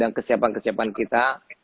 dan kesiapan kesiapan kita